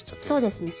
そうですね。